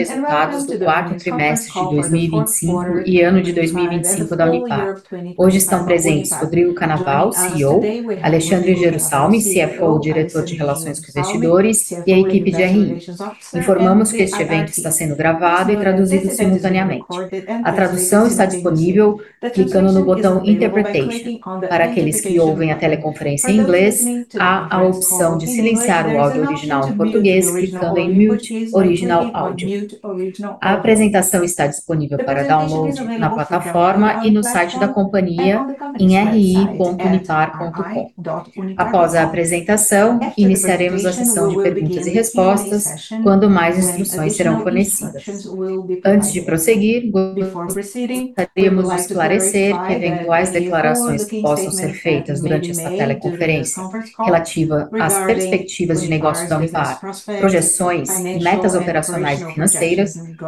Resultados do quarto trimestre de 2025 e ano de 2025 da Unipar. Hoje estão presentes Rodrigo Cannaval, CEO, Alexandre Jerussalmy, CFO e Diretor de Relações com Investidores, e a equipe de RI. Informamos que este evento está sendo gravado e traduzido simultaneamente. A tradução está disponível clicando no botão Interpretation. Para aqueles que ouvem a teleconferência em inglês, há a opção de silenciar o áudio original em português, clicando em Mute Original Audio. A apresentação está disponível para download na plataforma e no site da companhia em ri.unipar.com. Após a apresentação, iniciaremos a sessão de perguntas e respostas quando mais instruções serão fornecidas. Antes de prosseguir, gostaríamos de esclarecer que eventuais declarações que possam ser feitas durante esta teleconferência relativa às perspectivas de negócios da Unipar, projeções e metas operacionais e financeiras,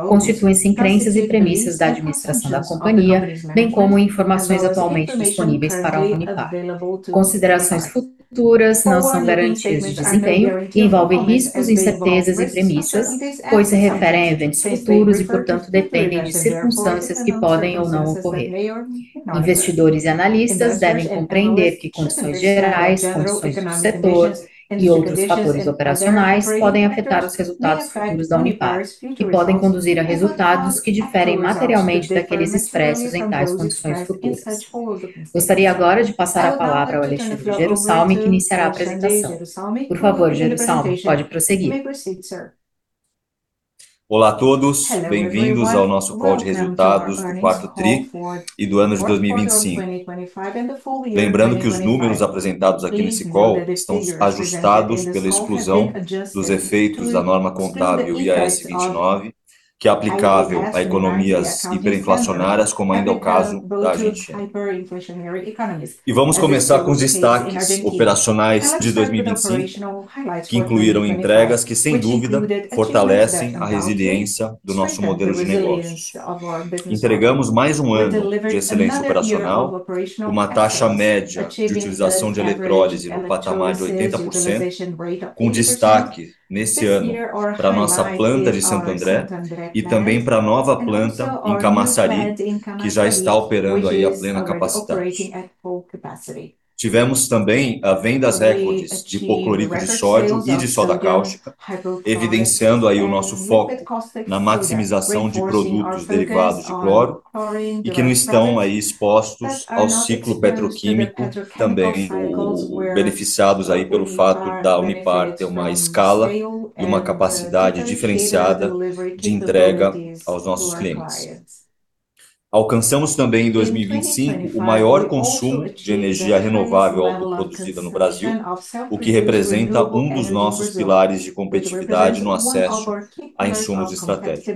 constituem-se crenças e premissas da administração da companhia, bem como informações atualmente disponíveis para a Unipar. Considerações futuras não são garantias de desempenho, envolvem riscos, incertezas e premissas, pois se referem a eventos futuros e, portanto, dependem de circunstâncias que podem ou não ocorrer. Investidores e analistas devem compreender que condições gerais, condições do setor e outros fatores operacionais podem afetar os resultados futuros da Unipar, que podem conduzir a resultados que diferem materialmente daqueles expressos em tais condições futuras. Gostaria agora de passar a palavra ao Alexandre Jerussalmy, que iniciará a apresentação. Por favor, Jerussalmy, pode prosseguir. Olá a todos, bem-vindos ao nosso call de resultados do quarto tri e do ano de 2025. Lembrando que os números apresentados aqui nesse call estão ajustados pela exclusão dos efeitos da norma contábil IAS 29, que é aplicável a economias hiperinflacionárias, como ainda é o caso da Argentina. Vamos começar com os destaques operacionais de 2025, que incluíram entregas que, sem dúvida, fortalecem a resiliência do nosso modelo de negócios. Entregamos mais um ano de excelência operacional, uma taxa média de utilização de eletrólise no patamar de 80%, com destaque nesse ano pra nossa planta de Santo André e também pra nova planta em Camaçari, que já está operando à plena capacidade. Tivemos também as vendas recordes de hipoclorito de sódio e de soda cáustica, evidenciando o nosso foco na maximização de produtos derivados de cloro e que não estão expostos ao ciclo petroquímico, também beneficiados pelo fato da Unipar ter uma escala e uma capacidade diferenciada de entrega aos nossos clientes. Alcançamos também, em 2025, o maior consumo de energia renovável produzida no Brasil, o que representa um dos nossos pilares de competitividade no acesso a insumos estratégicos.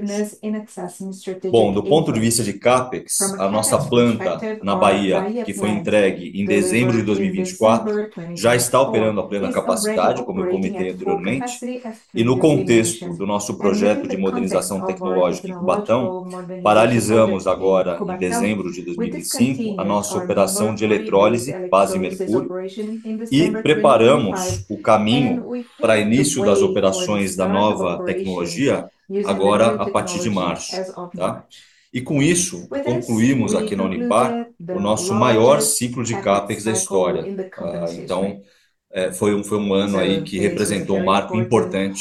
Bom, do ponto de vista de Capex, a nossa planta na Bahia, que foi entregue em dezembro de 2024, já está operando a plena capacidade, como eu comentei anteriormente. No contexto do nosso projeto de modernização tecnológica em Cubatão, paralisamos agora, em dezembro de 2025, a nossa operação de eletrólise a mercúrio e preparamos o caminho para início das operações da nova tecnologia agora a partir de março. com isso, concluímos aqui na Unipar o nosso maior ciclo de Capex da história. Foi um ano que representou um marco importante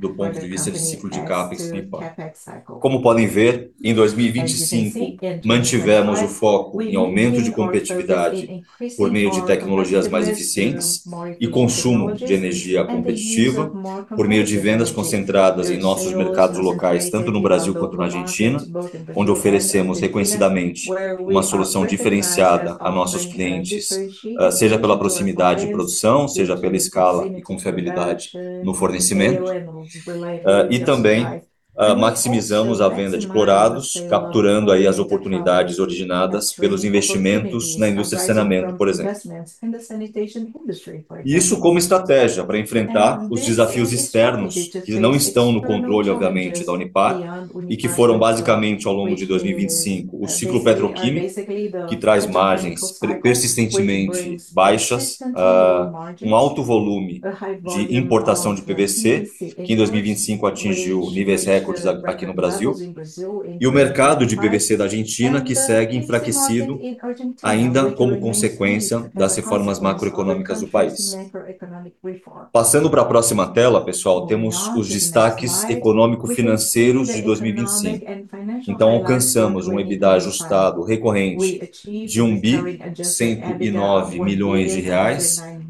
do ponto de vista de ciclo de Capex pra Unipar. Como podem ver, em 2025, mantivemos o foco em aumento de competitividade por meio de tecnologias mais eficientes e consumo de energia competitiva, por meio de vendas concentradas em nossos mercados locais, tanto no Brasil quanto na Argentina, onde oferecemos reconhecidamente uma solução diferenciada a nossos clientes, seja pela proximidade de produção, seja pela escala e confiabilidade no fornecimento. Também maximizamos a venda de clorados, capturando as oportunidades originadas pelos investimentos na indústria de saneamento, por exemplo. Isso como estratégia pra enfrentar os desafios externos, que não estão no controle, obviamente, da Unipar, e que foram basicamente, ao longo de 2025, o ciclo petroquímico, que traz margens persistentemente baixas, um alto volume de importação de PVC, que em 2025 atingiu níveis recordes aqui no Brasil, e o mercado de PVC da Argentina, que segue enfraquecido ainda como consequência das reformas macroeconômicas do país. Passando pra próxima tela, pessoal, temos os destaques econômico-financeiros de 2025. Alcançamos um EBITDA ajustado recorrente de 1.109 bilhões,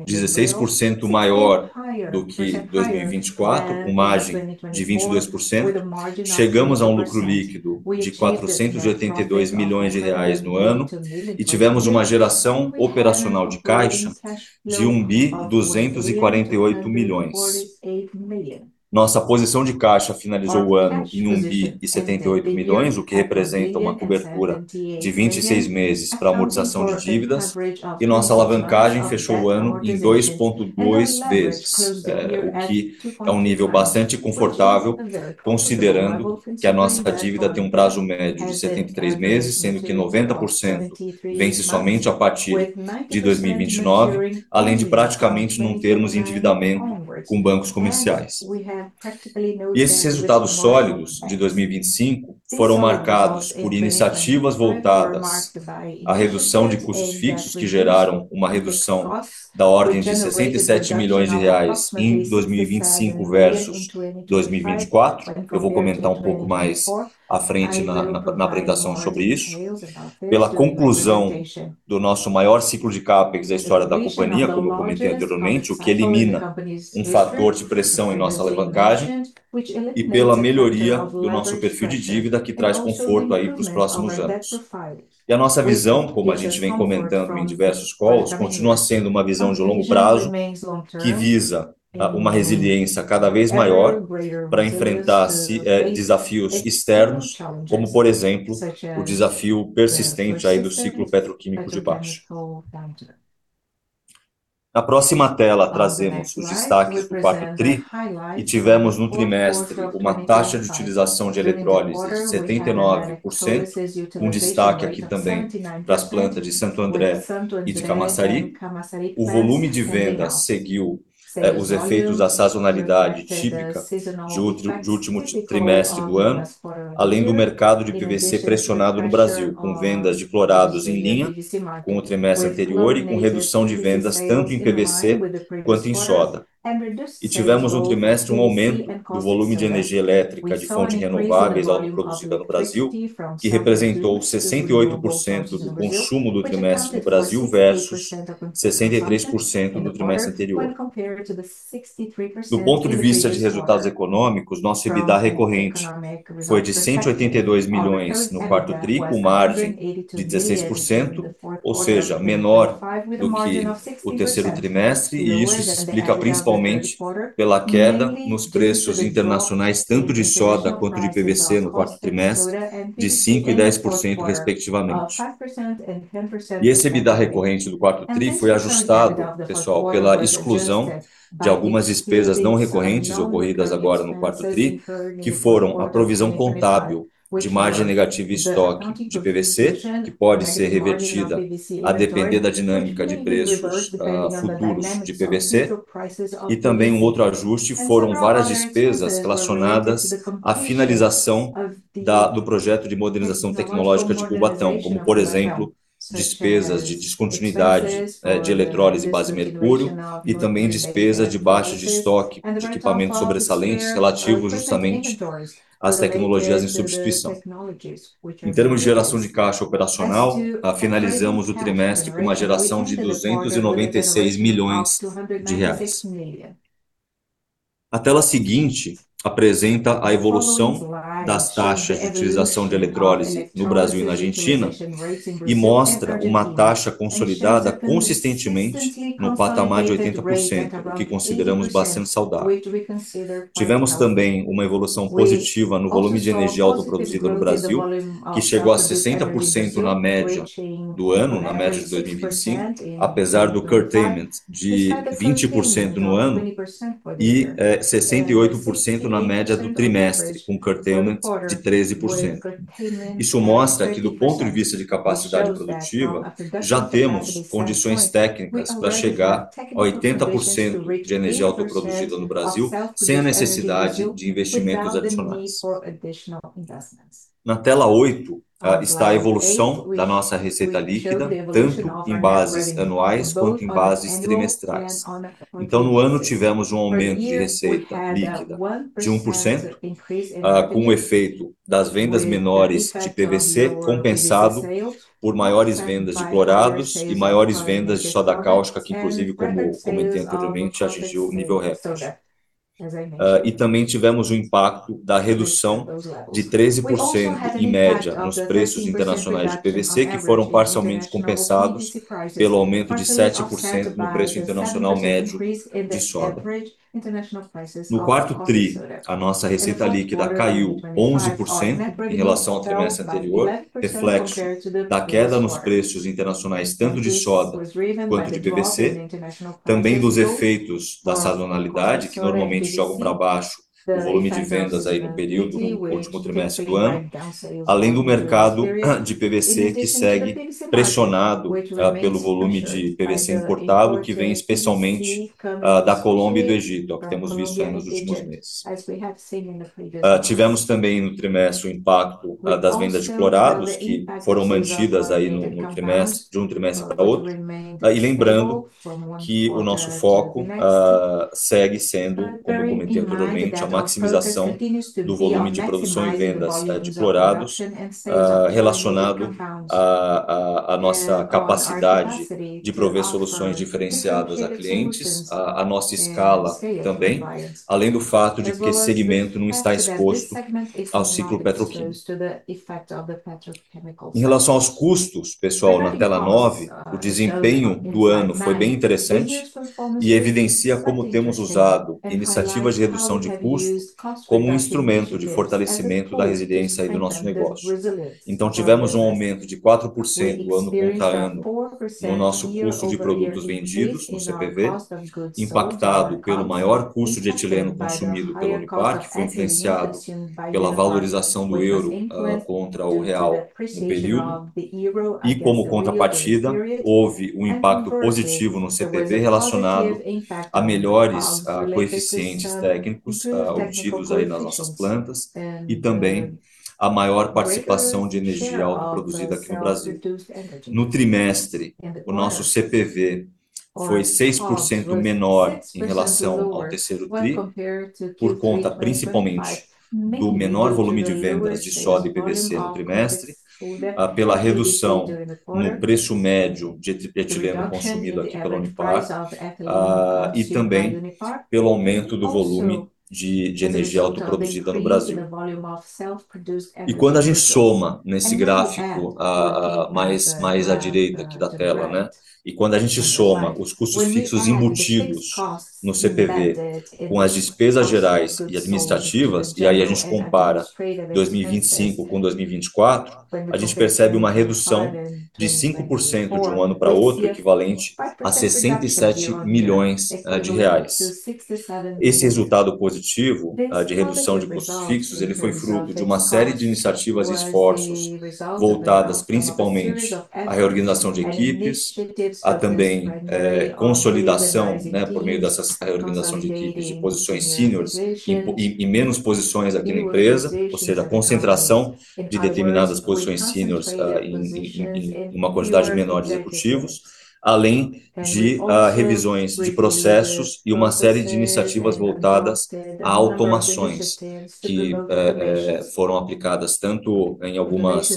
16% maior do que 2024, com margem de 22%. Chegamos a um lucro líquido de BRL 482 milhões no ano e tivemos uma geração operacional de caixa de 1.248 bilhões. Nossa posição de caixa finalizou o ano em 1.78 bilhões, o que representa uma cobertura de 26 meses pra amortização de dívidas, e nossa alavancagem fechou o ano em 2.2 vezes, o que é um nível bastante confortável, considerando que a nossa dívida tem um prazo médio de 73 meses, sendo que 90% vence somente a partir de 2029, além de praticamente não termos endividamento com bancos comerciais. Esses resultados sólidos de 2025 foram marcados por iniciativas voltadas à redução de custos fixos, que geraram uma redução da ordem de 67 milhões reais em 2025 versus 2024. Eu vou comentar um pouco mais à frente na apresentação sobre isso. Pela conclusão do nosso maior ciclo de Capex da história da companhia, como eu comentei anteriormente, o que elimina um fator de pressão em nossa alavancagem, e pela melhoria do nosso perfil de dívida, que traz conforto pros próximos anos. A nossa visão, como a gente vem comentando em diversos calls, continua sendo uma visão de longo prazo, que visa uma resiliência cada vez maior pra enfrentar desafios externos, como, por exemplo, o desafio persistente do ciclo petroquímico de baixo. Na próxima tela, trazemos os destaques do quarto tri e tivemos no trimestre uma taxa de utilização de eletrólise de 79%, com destaque aqui também pras plantas de Santo André e de Camaçari. O volume de vendas seguiu os efeitos da sazonalidade típica do último trimestre do ano, além do mercado de PVC pressionado no Brasil, com vendas de clorados em linha com o trimestre anterior e com redução de vendas tanto em PVC quanto em soda. Tivemos no trimestre um aumento do volume de energia elétrica de fontes renováveis autoproduzida no Brasil, que representou 68% do consumo do trimestre no Brasil versus 63% do trimestre anterior. Do ponto de vista de resultados econômicos, nosso EBITDA recorrente foi de BRL 182 milhões no quarto tri, com margem de 16%, ou seja, menor do que o terceiro trimestre. Isso se explica principalmente pela queda nos preços internacionais, tanto de soda quanto de PVC no quarto trimestre, de 5% e 10% respectivamente. Esse EBITDA recorrente do quarto tri foi ajustado, pessoal, pela exclusão de algumas despesas não recorrentes ocorridas agora no quarto tri, que foram a provisão contábil de margem negativa e estoque de PVC, que pode ser revertida a depender da dinâmica de preços, futuros de PVC. Também um outro ajuste foram várias despesas relacionadas à finalização da projeto de modernização tecnológica de Cubatão, como, por exemplo, despesas de descontinuidade de eletrólise a mercúrio e também despesas de baixa de estoque de equipamentos sobressalentes, relativo justamente às tecnologias em substituição. Em termos de geração de caixa operacional, finalizamos o trimestre com uma geração de 296 milhões reais. A tela seguinte apresenta a evolução da taxa de utilização de eletrólise no Brasil e na Argentina e mostra uma taxa consolidada consistentemente no patamar de 80%, o que consideramos bastante saudável. Tivemos também uma evolução positiva no volume de energia autoproduzida no Brasil, que chegou a 60% na média do ano, na média de 2025, apesar do curtailment de 20% no ano e 68% na média do trimestre, com curtailment de 13%. Isso mostra que, do ponto de vista de capacidade produtiva, já temos condições técnicas pra chegar a 80% de energia autoproduzida no Brasil sem a necessidade de investimentos adicionais. Na tela oito, está a evolução da nossa receita líquida, tanto em bases anuais quanto em bases trimestrais. No ano tivemos um aumento de receita líquida de 1%, com o efeito das vendas menores de PVC, compensado por maiores vendas de clorados e maiores vendas de soda cáustica, que inclusive, como comentei anteriormente, atingiu o nível recorde. Também tivemos o impacto da redução de 13% em média nos preços internacionais de PVC, que foram parcialmente compensados pelo aumento de 7% no preço internacional médio de soda. No quarto tri, a nossa receita líquida caiu 11% em relação ao trimestre anterior, reflexo da queda nos preços internacionais, tanto de soda quanto de PVC. Também dos efeitos da sazonalidade, que normalmente jogam pra baixo o volume de vendas aí no período do último trimestre do ano, além do mercado de PVC, que segue pressionado pelo volume de PVC importado, que vem especialmente da Colômbia e do Egito, o que temos visto aí nos últimos meses. Tivemos também no trimestre o impacto das vendas de clorados, que foram mantidas aí no trimestre, de um trimestre pra outro. Lembrando que o nosso foco segue sendo, como comentei anteriormente, a maximização do volume de produção e vendas de clorados, relacionado à nossa capacidade de prover soluções diferenciadas a clientes, à nossa escala também, além do fato de que esse segmento não está exposto ao ciclo petroquímico. Em relação aos custos, pessoal, na tela nove, o desempenho do ano foi bem interessante e evidencia como temos usado iniciativas de redução de custos como um instrumento de fortalecimento da resiliência aí do nosso negócio. Tivemos um aumento de 4% ano contra ano no nosso custo de produtos vendidos, no CPV, impactado pelo maior custo de etileno consumido pela Unipar, influenciado pela valorização do euro contra o real no período. Como contrapartida, houve um impacto positivo no CPV, relacionado a melhores coeficientes técnicos obtidos aí nas nossas plantas e também a maior participação de energia autoproduzida aqui no Brasil. No trimestre, o nosso CPV foi 6% menor em relação ao terceiro tri, por conta, principalmente, do menor volume de vendas de soda e PVC no trimestre, pela redução no preço médio de etileno consumido aqui pela Unipar, e também pelo aumento do volume de energia autoproduzida no Brasil. Quando a gente soma nesse gráfico, mais à direita aqui da tela. Quando a gente soma os custos fixos embutidos no CPV com as despesas gerais e administrativas, e aí a gente compara 2025 com 2024, a gente percebe uma redução de 5% de um ano pra outro, equivalente a BRL 67 million. Esse resultado positivo de redução de custos fixos, ele foi fruto de uma série de iniciativas e esforços voltadas, principalmente, à reorganização de equipes, também consolidação, por meio dessas reorganizações de equipes, de posições seniors e menos posições aqui na empresa, ou seja, concentração de determinadas posições seniors em uma quantidade menor de executivos, além de revisões de processos e uma série de iniciativas voltadas a automações que foram aplicadas tanto em algumas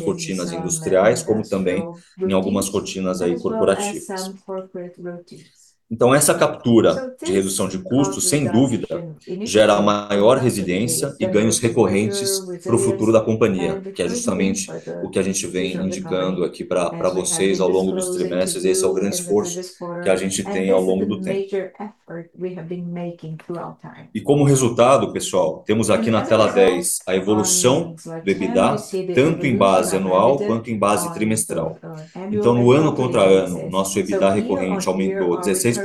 rotinas industriais como também em algumas rotinas corporativas. Então essa captura de redução de custos, sem dúvida, gera maior resiliência e ganhos recorrentes pro futuro da companhia, que é justamente o que a gente vem indicando aqui pra vocês ao longo dos trimestres, esse é o grande esforço que a gente tem ao longo do tempo. E como resultado, pessoal, temos aqui na tela 10 a evolução do EBITDA, tanto em base anual quanto em base trimestral. No ano contra ano, nosso EBITDA recorrente aumentou 16%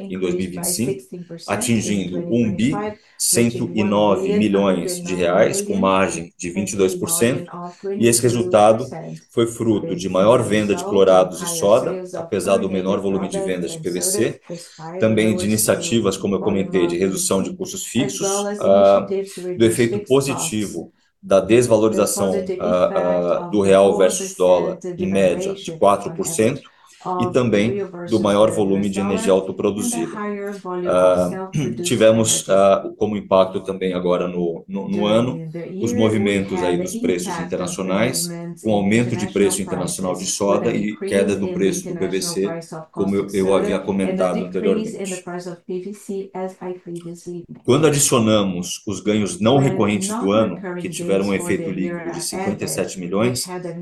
em 2025, atingindo 1,109 million reais, com margem de 22%. Esse resultado foi fruto de maior venda de clorados e soda, apesar do menor volume de vendas de PVC, também de iniciativas, como eu comentei, de redução de custos fixos, do efeito positivo da desvalorização do real versus dólar, em média, de 4%, e também do maior volume de energia autoproduzida. Tivemos como impacto também agora no ano, os movimentos dos preços internacionais, um aumento de preço internacional de soda e quedas no preço do PVC, como eu havia comentado anteriormente. Quando adicionamos os ganhos não recorrentes do ano, que tiveram um efeito líquido de 57 million,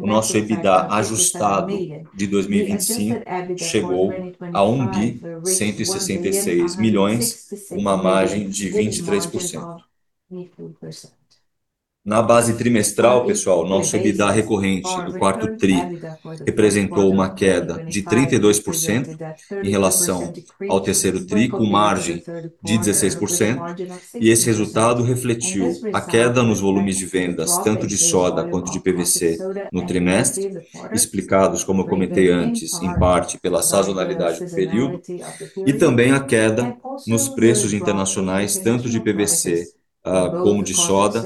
o nosso EBITDA ajustado de 2025 chegou a 1,166 million, uma margem de 23%. Na base trimestral, pessoal, nosso EBITDA recorrente, o quarto tri, representou uma queda de 32% em relação ao terceiro tri, com margem de 16%, e esse resultado refletiu a queda nos volumes de vendas, tanto de soda quanto de PVC no trimestre, explicados, como eu comentei antes, em parte pela sazonalidade do período, e também a queda nos preços internacionais, tanto de PVC como de soda,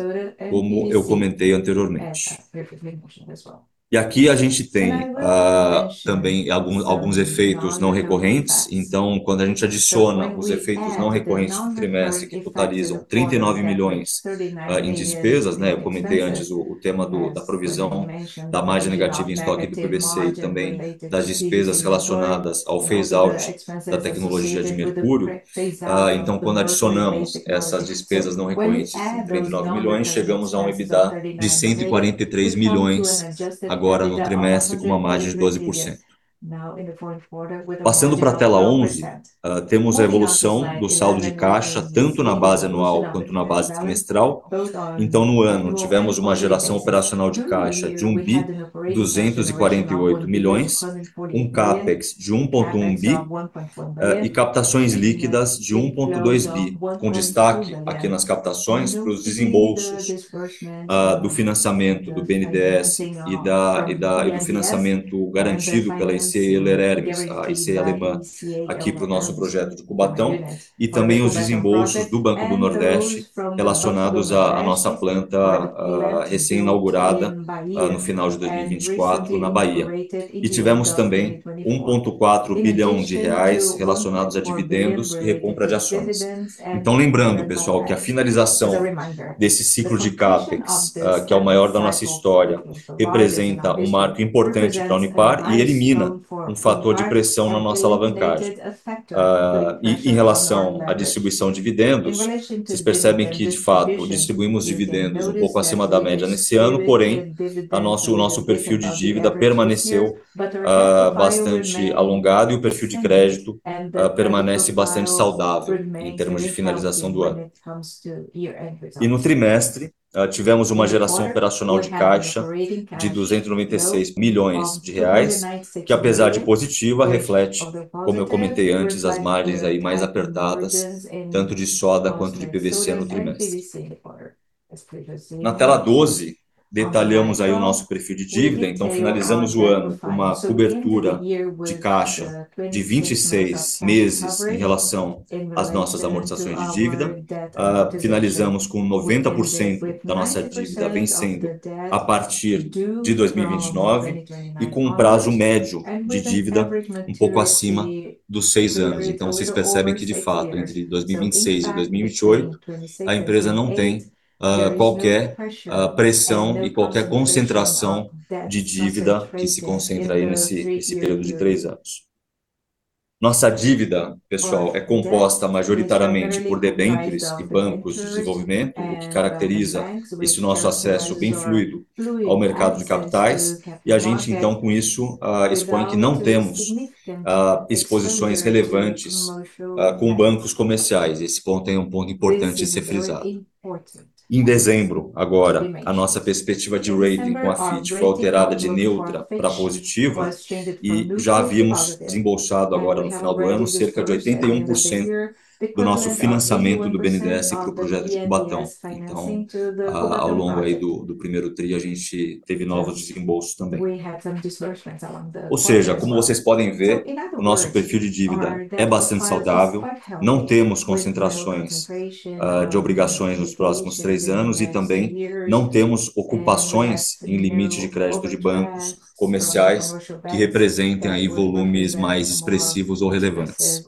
como eu comentei anteriormente. Aqui a gente tem também alguns efeitos não recorrentes. Quando a gente adiciona os efeitos não recorrentes no trimestre, que totalizam 39 milhões em despesas, eu comentei antes o tema da provisão da margem negativa em estoque do PVC e também das despesas relacionadas ao phase out da tecnologia de mercúrio. Quando adicionamos essas despesas não recorrentes, 39 milhões, chegamos a um EBITDA de 143 milhões agora no trimestre, com uma margem de 12%. Passando pra tela 11, temos a evolução do saldo de caixa, tanto na base anual quanto na base trimestral. No ano, tivemos uma geração operacional de caixa de BRL 1.248 bilhão, um CapEx de 1.1 bilhão e captações líquidas de 1.2 bilhão, com destaque aqui nas captações pros desembolsos do financiamento do BNDES e do financiamento garantido pela Euler Hermes, a ECA alemã, aqui pro nosso projeto de Cubatão, e também os desembolsos do Banco do Nordeste, relacionados à nossa planta recém-inaugurada no final de 2024, na Bahia. Tivemos também 1.4 bilhão de reais relacionados a dividendos e recompra de ações. Lembrando, pessoal, que a finalização desse ciclo de CapEx, que é o maior da nossa história, representa um marco importante pra Unipar e elimina um fator de pressão na nossa alavancagem. Em relação à distribuição de dividendos, vocês percebem que, de fato, distribuímos dividendos um pouco acima da média nesse ano, porém, o nosso perfil de dívida permaneceu bastante alongado e o perfil de crédito permanece bastante saudável em termos de finalização do ano. No trimestre, tivemos uma geração operacional de caixa de 296 million reais, que apesar de positiva, reflete, como eu comentei antes, as margens aí mais apertadas, tanto de soda quanto de PVC no trimestre. Na tela 12, detalhamos aí o nosso perfil de dívida, então finalizamos o ano com uma cobertura de caixa de 26 months em relação às nossas amortizações de dívida. Finalizamos com 90% da nossa dívida vencendo a partir de 2029 e com um prazo médio de dívida um pouco acima dos 6 years. Vocês percebem que, de fato, entre 2026 e 2028, a empresa não tem qualquer pressão e qualquer concentração de dívida que se concentra aí nesse período de três anos. Nossa dívida, pessoal, é composta majoritariamente por debêntures e bancos de desenvolvimento, o que caracteriza esse nosso acesso bem fluido ao mercado de capitais. A gente então, com isso, expõe que não temos exposições relevantes com bancos comerciais. Esse ponto é um ponto importante a ser frisado. Em dezembro, agora, a nossa perspectiva de rating com a Fitch foi alterada de neutra pra positiva e já havíamos desembolsado agora no final do ano, cerca de 81% do nosso financiamento do BNDES pro projeto de Cubatão. Ao longo aí do primeiro tri, a gente teve novos desembolsos também. Ou seja, como vocês podem ver, o nosso perfil de dívida é bastante saudável. Não temos concentrações de obrigações nos próximos 3 anos e também não temos ocupações em limite de crédito de bancos comerciais que representem aí volumes mais expressivos ou relevantes.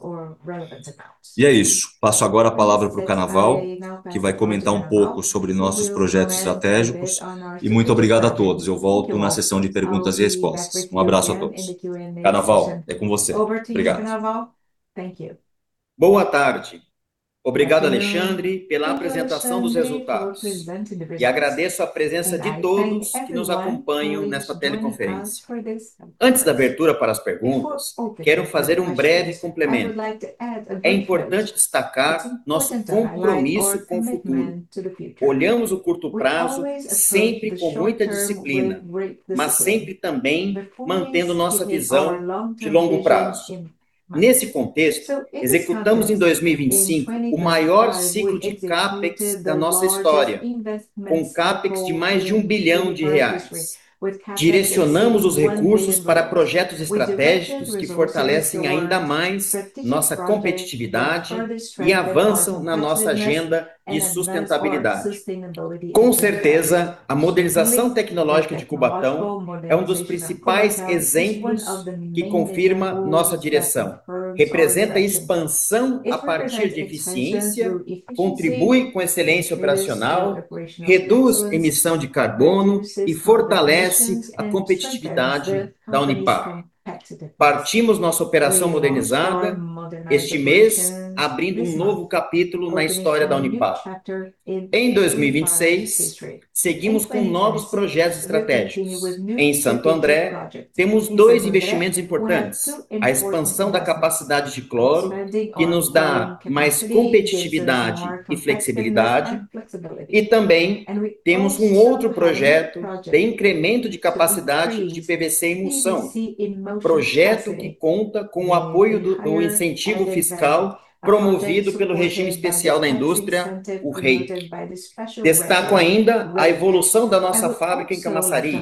É isso. Passo agora a palavra pro Canaval, que vai comentar um pouco sobre nossos projetos estratégicos. Muito obrigado a todos. Eu volto na sessão de perguntas e respostas. Um abraço a todos. Canaval, é com você. Obrigado. Boa tarde. Obrigado, Alexandre, pela apresentação dos resultados. Agradeço a presença de todos que nos acompanham nessa teleconferência. Antes da abertura para as perguntas, quero fazer um breve complemento. É importante destacar nosso compromisso com o futuro. Olhamos o curto prazo sempre com muita disciplina, mas sempre também mantendo nossa visão de longo prazo. Nesse contexto, executamos em 2025 o maior ciclo de Capex da nossa história, com um Capex de mais de 1 bilhão reais. Direcionamos os recursos para projetos estratégicos que fortalecem ainda mais nossa competitividade e avançam na nossa agenda de sustentabilidade. Com certeza, a modernização tecnológica de Cubatão é um dos principais exemplos que confirma nossa direção. Representa expansão a partir de eficiência, contribui com excelência operacional, reduz emissão de carbono e fortalece a competitividade da Unipar. Pusemos nossa operação modernizada este mês, abrindo um novo capítulo na história da Unipar. Em 2026, seguimos com novos projetos estratégicos. Em Santo André, temos dois investimentos importantes: a expansão da capacidade de cloro, que nos dá mais competitividade e flexibilidade, e também temos um outro projeto de incremento de capacidade de PVC em emulsão, projeto que conta com o apoio do incentivo fiscal promovido pelo Regime Especial da Indústria Química, o REIQ. Destaco ainda a evolução da nossa fábrica em Camaçari.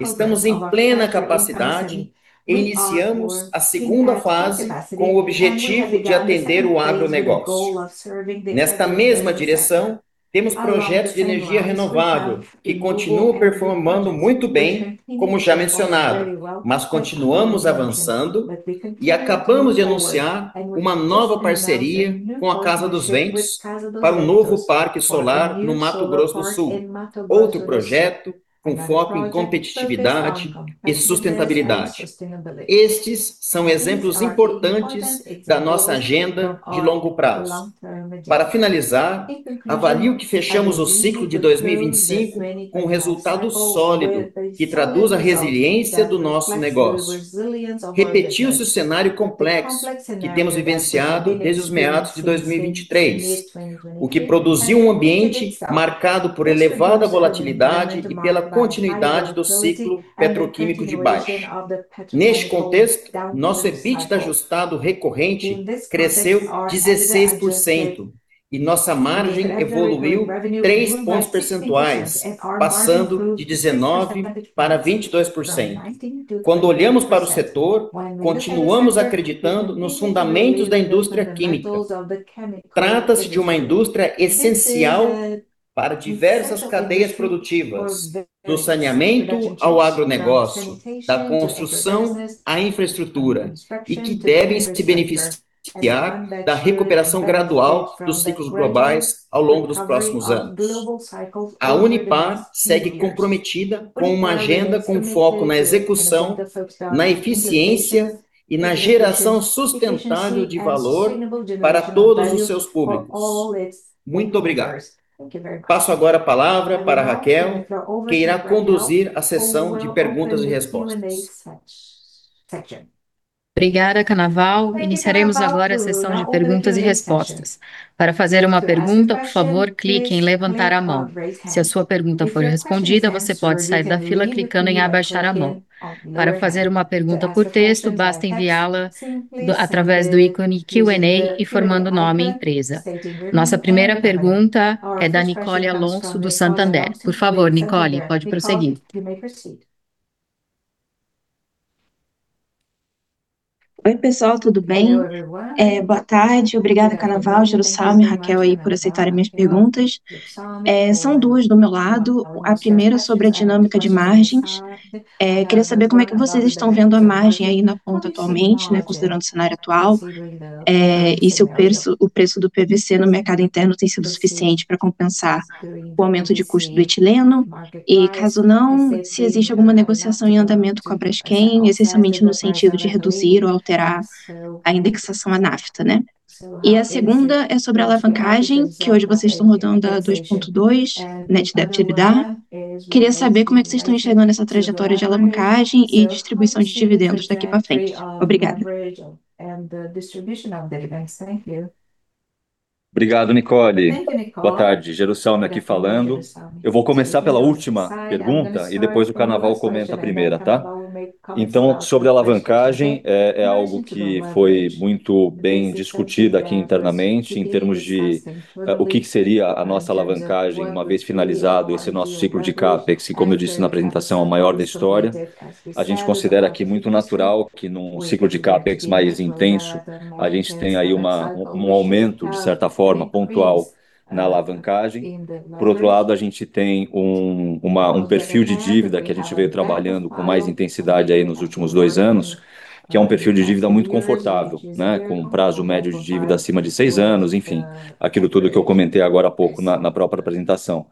Estamos em plena capacidade. Iniciamos a segunda fase com o objetivo de atender o agronegócio. Nesta mesma direção, temos projetos de energia renovável, que continuam performando muito bem, como já mencionado, mas continuamos avançando e acabamos de anunciar uma nova parceria com a Casa dos Ventos para um novo parque solar no Mato Grosso do Sul, outro projeto com foco em competitividade e sustentabilidade. Estes são exemplos importantes da nossa agenda de longo prazo. Para finalizar, avalio que fechamos o ciclo de 2025 com um resultado sólido, que traduz a resiliência do nosso negócio. Repetiu-se o cenário complexo que temos vivenciado desde os meados de 2023, o que produziu um ambiente marcado por elevada volatilidade e pela continuidade do ciclo petroquímico de baixo. Neste contexto, nosso EBITDA ajustado recorrente cresceu 16% e nossa margem evoluiu três pontos percentuais, passando de 19% para 22%. Quando olhamos para o setor, continuamos acreditando nos fundamentos da indústria química. Trata-se de uma indústria essencial para diversas cadeias produtivas, do saneamento ao agronegócio, da construção à infraestrutura, e que devem se beneficiar da recuperação gradual dos ciclos globais ao longo dos próximos anos. A Unipar segue comprometida com uma agenda com foco na execução, na eficiência e na geração sustentável de valor para todos os seus públicos. Muito obrigado. Passo agora a palavra para a Raquel, que irá conduzir a sessão de perguntas e respostas. Obrigada, Cannaval. Iniciaremos agora a sessão de perguntas e respostas. Para fazer uma pergunta, por favor, clique em levantar a mão. Se a sua pergunta for respondida, você pode sair da fila clicando em abaixar a mão. Para fazer uma pergunta por texto, basta enviá-la através do ícone Q&A, informando nome e empresa. Nossa primeira pergunta é da Nicole Alonso, do Santander. Por favor, Nicole, pode prosseguir. Oi pessoal, tudo bem? Boa tarde, obrigada, Cannaval, Gero Salme, Raquel aí por aceitarem minhas perguntas. São duas do meu lado. A primeira é sobre a dinâmica de margens. Queria saber como é que vocês estão vendo a margem aí na ponta atualmente, né, considerando o cenário atual, e se o preço do PVC no mercado interno tem sido suficiente pra compensar o aumento de custo do etileno e, caso não, se existe alguma negociação em andamento com a Braskem, essencialmente no sentido de reduzir ou alterar a indexação à nafta, né? A segunda é sobre alavancagem, que hoje vocês tão rodando a 2.2, net debt/EBITDA. Queria saber como é que cês tão enxergando essa trajetória de alavancagem e distribuição de dividendos daqui pra frente. Obrigada. Obrigado, Nicole. Boa tarde, Alexandre Jerussalmy aqui falando. Eu vou começar pela última pergunta e depois o Rodrigo Cannaval comenta a primeira, tá? Sobre alavancagem, algo que foi muito bem discutido aqui internamente em termos de o que que seria a nossa alavancagem uma vez finalizado esse nosso ciclo de Capex, que como eu disse na apresentação, é o maior da história. A gente considera que é muito natural que num ciclo de Capex mais intenso, a gente tenha aí um aumento, de certa forma, pontual na alavancagem. Por outro lado, a gente tem um perfil de dívida que a gente veio trabalhando com mais intensidade aí nos últimos dois anos, que é um perfil de dívida muito confortável, né? Com prazo médio de dívida acima de seis anos, enfim, aquilo tudo que eu comentei agora há pouco na própria apresentação.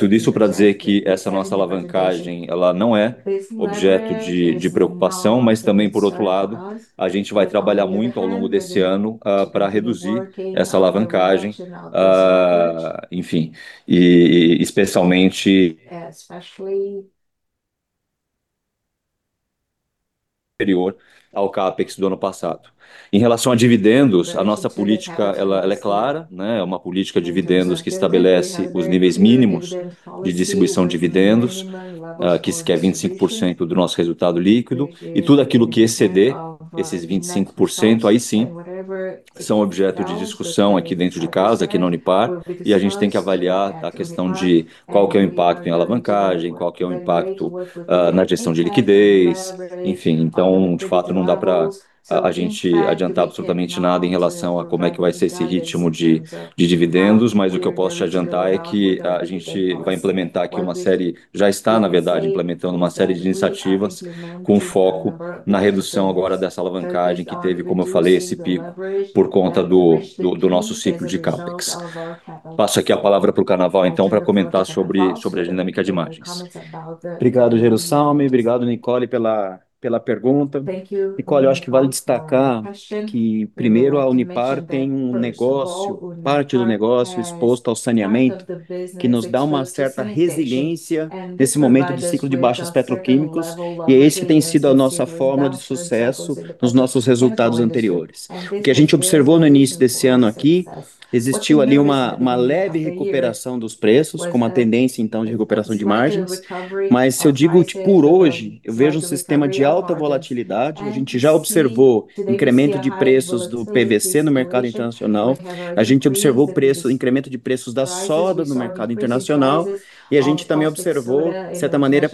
Tudo isso pra dizer que essa nossa alavancagem, ela não é objeto de preocupação, mas também, por outro lado, a gente vai trabalhar muito ao longo desse ano pra reduzir essa alavancagem, enfim, especialmente superior ao Capex do ano passado. Em relação a dividendos, a nossa política ela é clara, né? É uma política de dividendos que estabelece os níveis mínimos de distribuição de dividendos, que é 25% do nosso resultado líquido, e tudo aquilo que exceder esses 25%, aí sim, são objeto de discussão aqui dentro de casa, aqui na Unipar, e a gente tem que avaliar a questão de qual que é o impacto em alavancagem, qual que é o impacto na gestão de liquidez, enfim. De fato, não dá pra a gente adiantar absolutamente nada em relação a como é que vai ser esse ritmo de dividendos, mas o que eu posso te adiantar é que a gente vai implementar aqui uma série, já está, na verdade, implementando uma série de iniciativas com foco na redução agora dessa alavancagem que teve, como eu falei, esse pico, por conta do nosso ciclo de Capex. Passo aqui a palavra pro Rodrigo Cannaval, então, pra comentar sobre a dinâmica de margens. Obrigado, Alexandre Jerussalmy. Obrigado, Nicole, pela pergunta. Nicole, eu acho que vale destacar que, primeiro, a Unipar tem um negócio, parte do negócio exposto ao saneamento, que nos dá uma certa resiliência nesse momento do ciclo de baixos petroquímicos, e esse tem sido a nossa forma de sucesso nos nossos resultados anteriores. O que a gente observou no início desse ano aqui, existiu ali uma leve recuperação dos preços, com uma tendência então de recuperação de margens. Se eu digo, por hoje, eu vejo um sistema de alta volatilidade. A gente já observou incremento de preços do PVC no mercado internacional. A gente observou incremento de preços da soda no mercado internacional. E a gente também observou, de certa maneira,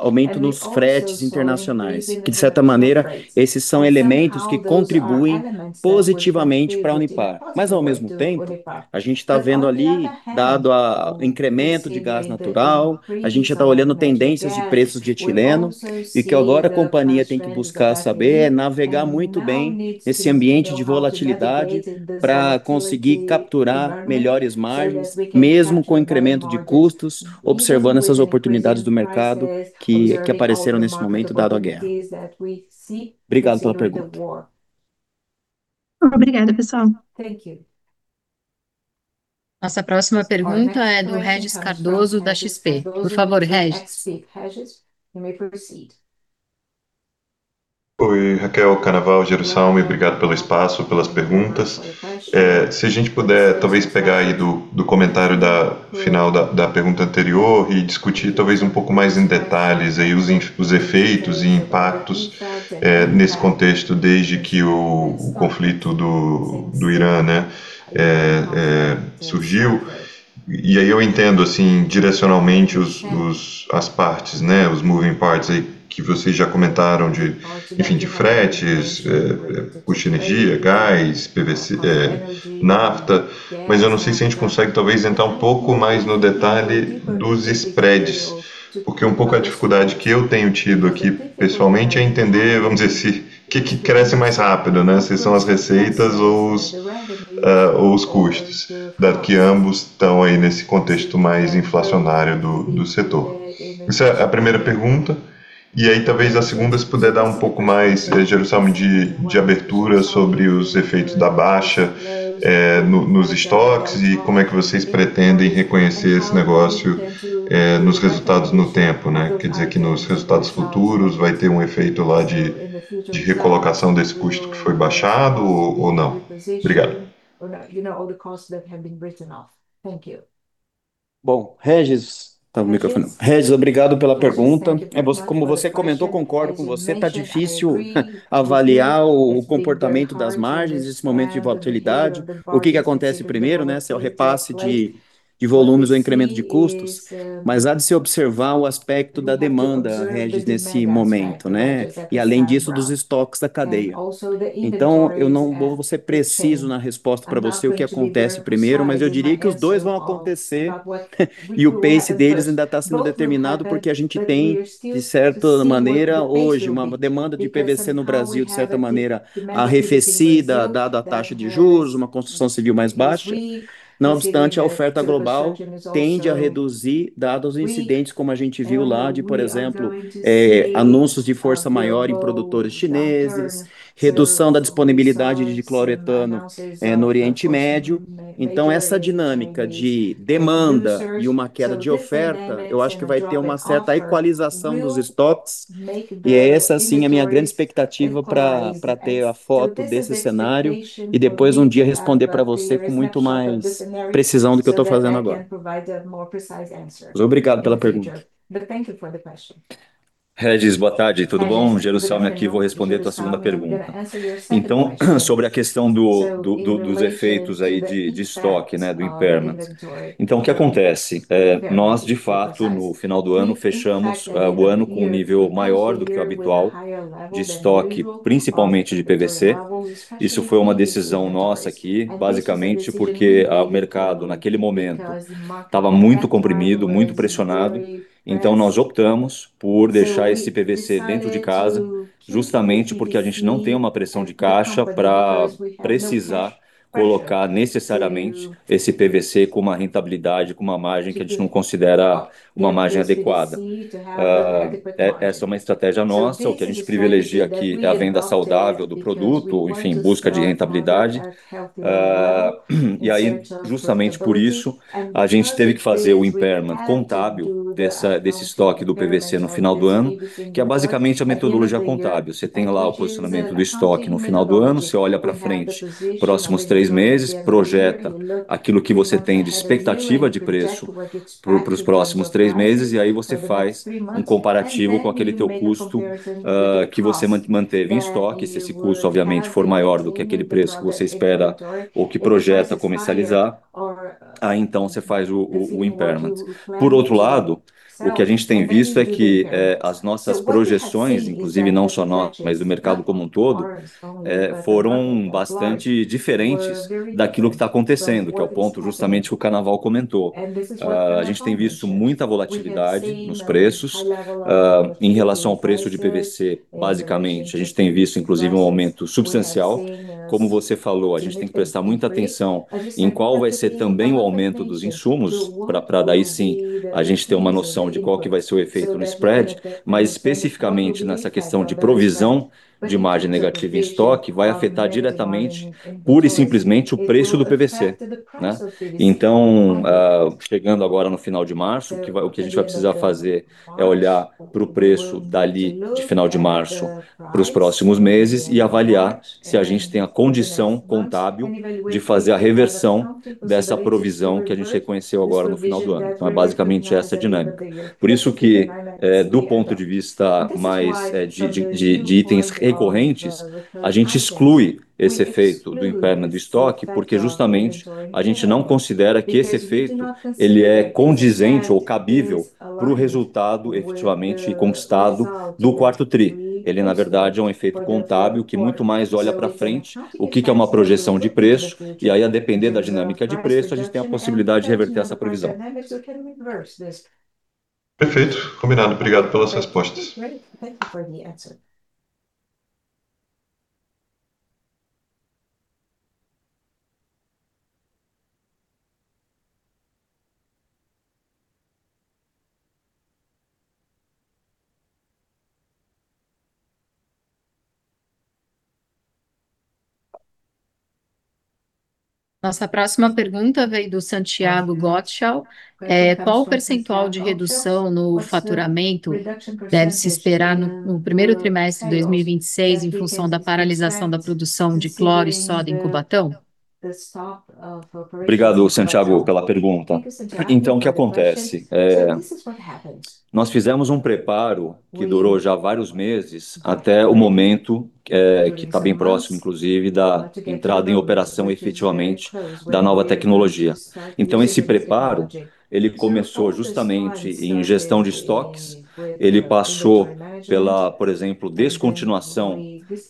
aumento nos preços dos fretes internacionais. De certa maneira, esses são elementos que contribuem positivamente pra Unipar. Ao mesmo tempo, a gente tá vendo ali, dado o incremento de gás natural, a gente já tá olhando tendências de preços de etileno, e que agora a companhia tem que buscar saber navegar muito bem esse ambiente de volatilidade pra conseguir capturar melhores margens, mesmo com incremento de custos, observando essas oportunidades do mercado que apareceram nesse momento dado a guerra. Obrigado pela pergunta. Obrigada, pessoal. Nossa próxima pergunta é do Regis Cardoso, da XP. Por favor, Regis. Oi, Raquel, Rodrigo Cannaval, Alexandre Jerussalmy, obrigado pelo espaço, pelas perguntas. Se a gente puder talvez pegar aí do comentário da final da pergunta anterior e discutir talvez um pouco mais em detalhes aí os efeitos e impactos nesse contexto, desde que o conflito do Irã surgiu. Eu entendo assim, direcionalmente, as partes, os moving parts aí que vocês já comentaram de, enfim, de fretes, custo de energia, gás, PVC, nafta, mas eu não sei se a gente consegue talvez entrar um pouco mais no detalhe dos spreads, porque um pouco a dificuldade que eu tenho tido aqui pessoalmente é entender, vamos dizer, o que que cresce mais rápido. Se são as receitas ou os custos, dado que ambos tão aí nesse contexto mais inflacionário do setor. Essa é a primeira pergunta. Aí talvez a segunda, se puder dar um pouco mais, Alexandre Jerussalmy, de abertura sobre os efeitos da baixa nos estoques e como é que vocês pretendem reconhecer esse negócio nos resultados no tempo, né? Quer dizer, que nos resultados futuros vai ter um efeito lá de recolocação desse custo que foi baixado ou não? Obrigado. Regis, obrigado pela pergunta. É, como você comentou, concordo com você, tá difícil avaliar o comportamento das margens nesse momento de volatilidade. O que que acontece primeiro, né? Se é o repasse de volumes ou incremento de custos, mas há de se observar o aspecto da demanda, Regis, nesse momento, né? E além disso, dos estoques da cadeia. Então eu não vou ser preciso na resposta pra você o que acontece primeiro, mas eu diria que os dois vão acontecer e o pace deles ainda tá sendo determinado, porque a gente tem, de certa maneira, hoje, uma demanda de PVC no Brasil, de certa maneira arrefecida, dada a taxa de juros, uma construção civil mais baixa. Não obstante, a oferta global tende a reduzir dado os incidentes como a gente viu lá de, por exemplo, anúncios de força maior em produtores chineses, redução da disponibilidade de dicloroetano, no Oriente Médio. Então essa dinâmica de demanda e uma queda de oferta, eu acho que vai ter uma certa equalização nos estoques. É essa, sim, a minha grande expectativa pra ter a foto desse cenário e depois um dia responder pra você com muito mais precisão do que eu tô fazendo agora. Obrigado pela pergunta. Regis, boa tarde, tudo bom? Alexandre Jerussalmy aqui, vou responder tua segunda pergunta. Sobre a questão dos efeitos aí de estoque, né, do impairment. O que acontece? Nós, de fato, no final do ano, fechamos o ano com um nível maior do que o habitual de estoque, principalmente de PVC. Isso foi uma decisão nossa aqui, basicamente porque o mercado naquele momento tava muito comprimido, muito pressionado. Nós optamos por deixar esse PVC dentro de casa, justamente porque a gente não tem uma pressão de caixa pra precisar colocar necessariamente esse PVC com uma rentabilidade, com uma margem que a gente não considera uma margem adequada. Essa é uma estratégia nossa, o que a gente privilegia aqui é a venda saudável do produto, enfim, busca de rentabilidade. Justamente por isso, a gente teve que fazer o impairment contábil dessa, desse estoque do PVC no final do ano, que é basicamente a metodologia contábil. Você tem lá o posicionamento do estoque no final do ano, você olha pra frente, próximos três meses, projeta aquilo que você tem de expectativa de preço pros próximos três meses, e aí você faz um comparativo com aquele teu custo, que você manteve em estoque. Se esse custo, obviamente, for maior do que aquele preço que você espera ou que projeta comercializar, aí então cê faz o impairment. Por outro lado, o que a gente tem visto é que as nossas projeções, inclusive não só nossas, mas do mercado como um todo, foram bastante diferentes daquilo que tá acontecendo, que é o ponto justamente que o Cannaval comentou. A gente tem visto muita volatilidade nos preços. Em relação ao preço de PVC, basicamente, a gente tem visto inclusive um aumento substancial. Como você falou, a gente tem que prestar muita atenção em qual vai ser também o aumento dos insumos pra daí sim a gente ter uma noção de qual que vai ser o efeito no spread. Especificamente nessa questão de provisão de margem negativa em estoque, vai afetar diretamente, pura e simplesmente o preço do PVC, né? Chegando agora no final de março, o que a gente vai precisar fazer é olhar pro preço dali de final de março pros próximos meses e avaliar se a gente tem a condição contábil de fazer a reversão dessa provisão que a gente reconheceu agora no final do ano. É basicamente essa a dinâmica. Por isso que do ponto de vista mais de itens recorrentes, a gente exclui esse efeito do impairment de estoque, porque justamente a gente não considera que esse efeito ele é condizente ou cabível pro resultado efetivamente conquistado do quarto tri. Ele, na verdade, é um efeito contábil que muito mais olha pra frente o que é uma projeção de preço, e aí a depender da dinâmica de preço, a gente tem a possibilidade de reverter essa provisão. Perfeito, combinado. Obrigado pelas respostas. Nossa próxima pergunta veio do Santiago Gottschalk: qual o percentual de redução no faturamento deve-se esperar no primeiro trimestre de 2026, em função da paralisação da produção de cloro e soda em Cubatão? Obrigado, Santiago, pela pergunta. O que acontece? Nós fizemos um preparo que durou já vários meses até o momento, que tá bem próximo, inclusive, da entrada em operação efetivamente da nova tecnologia. Esse preparo, ele começou justamente em gestão de estoques. Ele passou pela, por exemplo, descontinuação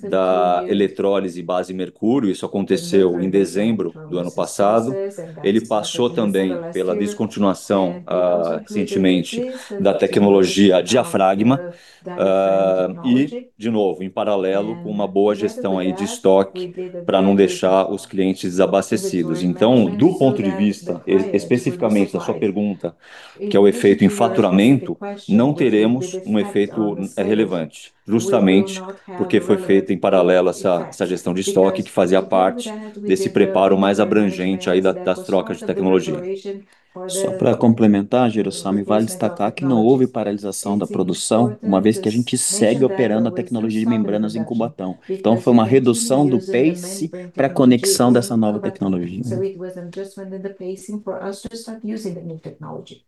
da eletrólise a mercúrio. Isso aconteceu em dezembro do ano passado. Ele passou também pela descontinuação, recentemente, da tecnologia de diafragma. E de novo, em paralelo com uma boa gestão aí de estoque pra não deixar os clientes desabastecidos. Do ponto de vista, especificamente da sua pergunta, que é o efeito em faturamento, não teremos um efeito relevante, justamente porque foi feito em paralelo essa gestão de estoque, que fazia parte desse preparo mais abrangente aí das trocas de tecnologia. Só pra complementar, Alexandre Jerussalmy, vale destacar que não houve paralisação da produção, uma vez que a gente segue operando a tecnologia de membranas em Cubatão. Foi uma redução do pace pra conexão dessa nova tecnologia. Você quer comentar do re-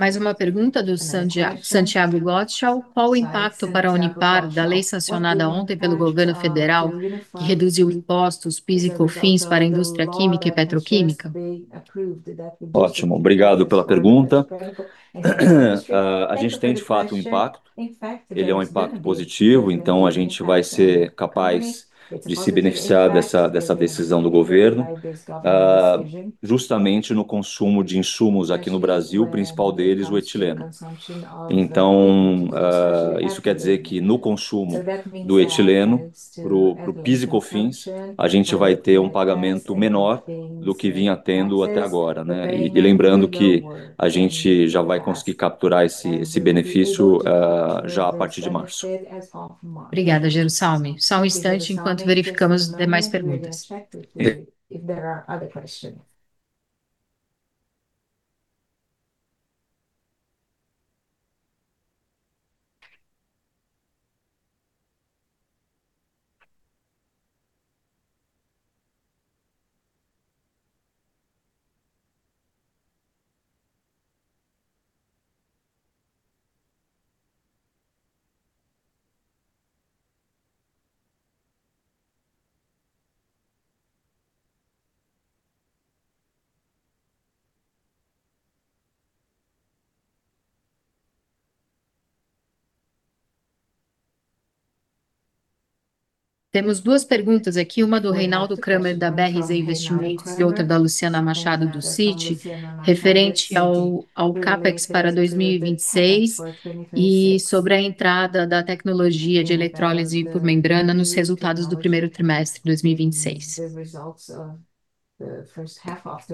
Mais uma pergunta do Santiago Gottschalk: qual o impacto para a Unipar da lei sancionada ontem pelo governo federal, que reduziu impostos PIS e Cofins para a indústria química e petroquímica? Ótimo, obrigado pela pergunta. A gente tem, de fato, um impacto. Ele é um impacto positivo, então a gente vai ser capaz de se beneficiar dessa decisão do governo, justamente no consumo de insumos aqui no Brasil, o principal deles, o etileno. Então, isso quer dizer que no consumo do etileno pro PIS e Cofins, a gente vai ter um pagamento menor do que vinha tendo até agora, né? Lembrando que a gente já vai conseguir capturar esse benefício, já a partir de março. Obrigada, Alexandre Jerussalmy. Só um instante enquanto verificamos as demais perguntas. Beleza. Temos duas perguntas aqui, uma do Reinaldo Cramer, da BRZ Investimentos, e outra da Luciana Machado, do Citi, referente ao Capex para 2026 e sobre a entrada da tecnologia de eletrólise por membrana nos resultados do primeiro trimestre de 2026.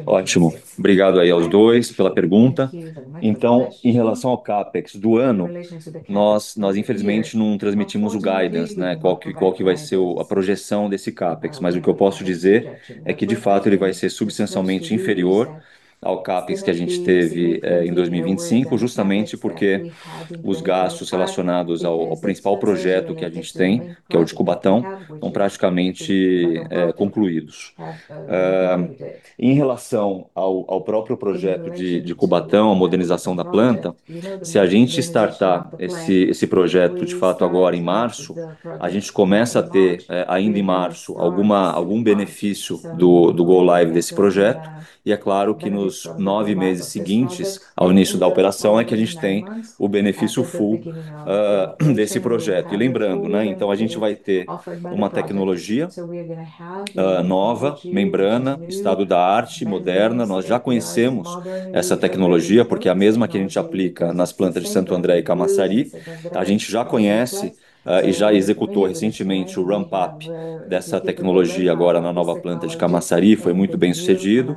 Ótimo. Obrigado aí aos dois pela pergunta. Então, em relação ao Capex do ano, nós infelizmente não transmitimos o guidance, né, qual que vai ser o, a projeção desse Capex. Mas o que eu posso dizer é que, de fato, ele vai ser substancialmente inferior ao Capex que a gente teve em 2025, justamente porque os gastos relacionados ao principal projeto que a gente tem, que é o de Cubatão, estão praticamente concluídos. Em relação ao próprio projeto de Cubatão, a modernização da planta, se a gente startar esse projeto, de fato, agora em março, a gente começa a ter ainda em março, algum benefício do go live desse projeto. É claro que nos 9 meses seguintes, ao início da operação, é que a gente tem o benefício full desse projeto. Lembrando, né, então a gente vai ter uma tecnologia nova, membrana, estado da arte, moderna. Nós já conhecemos essa tecnologia, porque é a mesma que a gente aplica nas plantas de Santo André e Camaçari. A gente já conhece e já executou recentemente o ramp up dessa tecnologia agora na nova planta de Camaçari, foi muito bem-sucedido.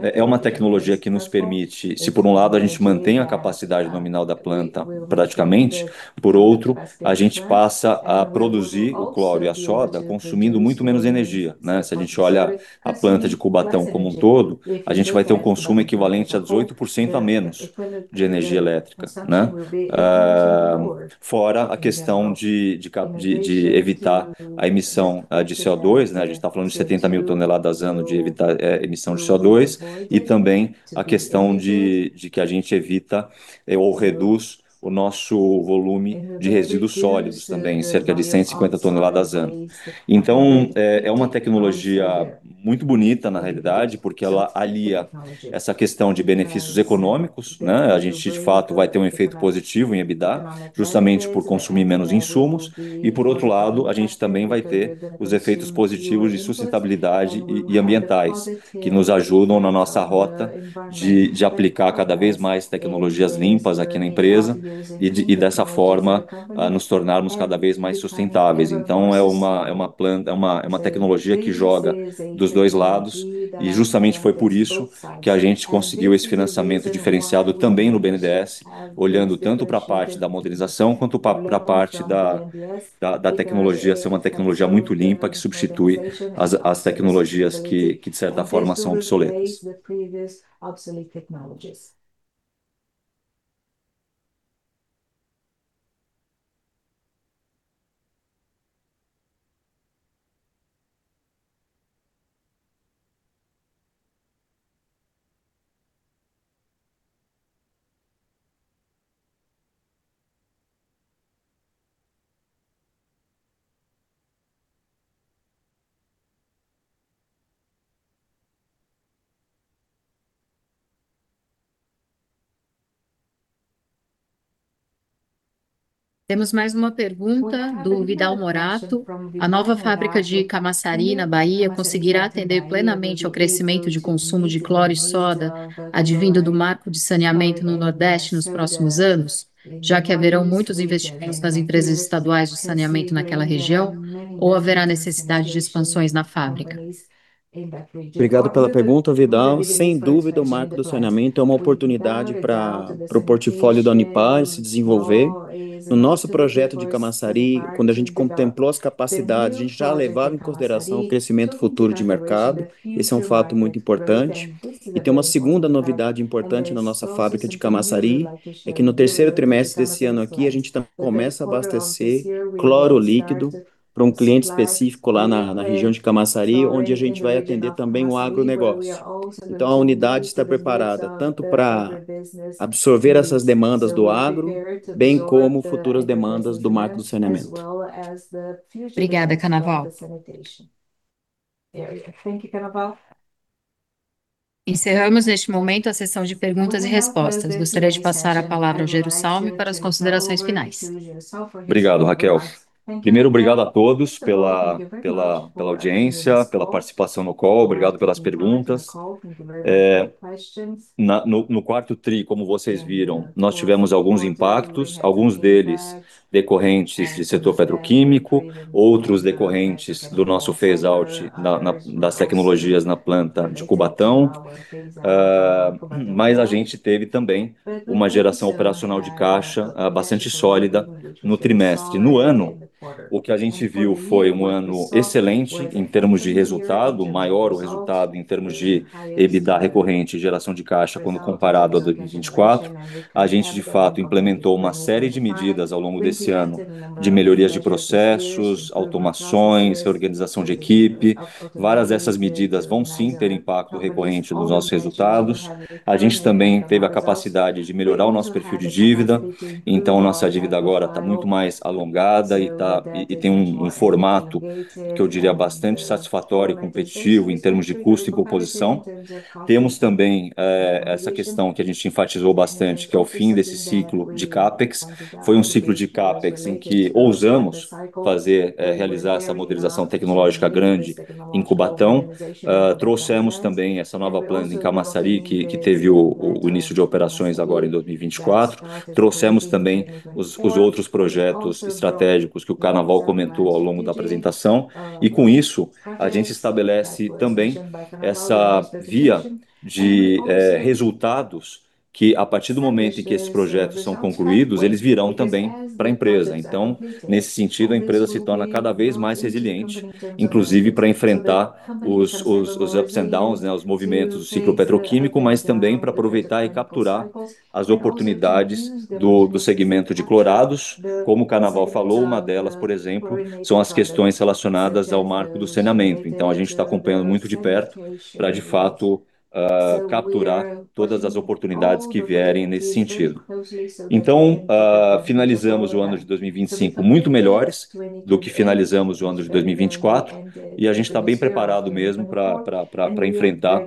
É uma tecnologia que nos permite, se por um lado a gente mantém a capacidade nominal da planta praticamente, por outro, a gente passa a produzir o cloro e a soda consumindo muito menos energia, né? Se a gente olha a planta de Cubatão como um todo, a gente vai ter um consumo equivalente a 18% a menos de energia elétrica, né? Fora a questão de evitar a emissão de CO2, né? A gente tá falando de 70,000 toneladas por ano de evitar emissão de CO2 e também a questão de que a gente evita ou reduz o nosso volume de resíduos sólidos também, cerca de 150 toneladas por ano. É uma tecnologia muito bonita, na realidade, porque ela alia essa questão de benefícios econômicos, né? A gente, de fato, vai ter um efeito positivo em EBITDA, justamente por consumir menos insumos. Por outro lado, a gente também vai ter os efeitos positivos de sustentabilidade e ambientais, que nos ajudam na nossa rota de aplicar cada vez mais tecnologias limpas aqui na empresa e dessa forma nos tornarmos cada vez mais sustentáveis. É uma tecnologia que joga dos dois lados. Justamente foi por isso que a gente conseguiu esse financiamento diferenciado também no BNDES, olhando tanto pra parte da modernização quanto para parte da tecnologia ser uma tecnologia muito limpa, que substitui as tecnologias que de certa forma são obsoletas. Temos mais uma pergunta do Vidal Morato: a nova fábrica de Camaçari, na Bahia, conseguirá atender plenamente ao crescimento de consumo de cloro e soda advindo do marco de saneamento no Nordeste nos próximos anos, já que haverão muitos investimentos nas empresas estaduais de saneamento naquela região, ou haverá necessidade de expansões na fábrica? Obrigado pela pergunta, Vidal. Sem dúvida, o marco do saneamento é uma oportunidade para o portfólio da Unipar se desenvolver. No nosso projeto de Camaçari, quando a gente contemplou as capacidades, a gente já levava em consideração o crescimento futuro de mercado. Esse é um fato muito importante. Tem uma segunda novidade importante na nossa fábrica de Camaçari, é que no terceiro trimestre desse ano aqui, a gente também começa a abastecer cloro líquido para um cliente específico lá na região de Camaçari, onde a gente vai atender também o agronegócio. Então a unidade está preparada tanto para absorver essas demandas do agro, bem como futuras demandas do marco do saneamento. Obrigada, Rodrigo Cannaval. Encerramos neste momento a sessão de perguntas e respostas. Gostaria de passar a palavra ao Alexandre Jerussalmy para as considerações finais. Obrigado, Raquel. Primeiro, obrigado a todos pela audiência, pela participação no call, obrigado pelas perguntas. No quarto tri, como vocês viram, nós tivemos alguns impactos, alguns deles decorrentes de setor petroquímico, outros decorrentes do nosso phase out das tecnologias na planta de Cubatão. Mas a gente teve também uma geração operacional de caixa bastante sólida no trimestre. No ano, o que a gente viu foi um ano excelente em termos de resultado, maior o resultado em termos de EBITDA recorrente e geração de caixa, quando comparado a 2024. A gente, de fato, implementou uma série de medidas ao longo desse ano, de melhorias de processos, automações, reorganização de equipe. Várias dessas medidas vão, sim, ter impacto recorrente nos nossos resultados. A gente também teve a capacidade de melhorar o nosso perfil de dívida. A nossa dívida agora tá muito mais alongada e tem um formato que eu diria bastante satisfatório e competitivo em termos de custo e composição. Temos também essa questão que a gente enfatizou bastante, que é o fim desse ciclo de Capex. Foi um ciclo de Capex em que ousamos fazer realizar essa modernização tecnológica grande em Cubatão. Trouxemos também essa nova planta em Camaçari, que teve o início de operações agora em 2024. Trouxemos também os outros projetos estratégicos que o Rodrigo Cannaval comentou ao longo da apresentação e com isso, a gente estabelece também essa via de resultados, que a partir do momento em que esses projetos são concluídos, eles virão também pra empresa. Nesse sentido, a empresa se torna cada vez mais resiliente, inclusive pra enfrentar os ups and downs, né, os movimentos do ciclo petroquímico, mas também pra aproveitar e capturar as oportunidades do segmento de clorados. Como o Rodrigo Cannaval falou, uma delas, por exemplo, são as questões relacionadas ao marco do saneamento. A gente tá acompanhando muito de perto pra, de fato, capturar todas as oportunidades que vierem nesse sentido. Finalizamos o ano de 2025 muito melhores do que finalizamos o ano de 2024 e a gente tá bem preparado mesmo pra enfrentar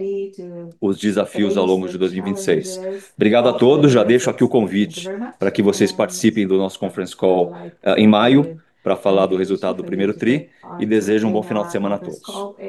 os desafios ao longo de 2026. Obrigado a todos. Já deixo aqui o convite pra que vocês participem do nosso conference call em maio, pra falar do resultado do primeiro tri e desejo um bom final de semana a todos.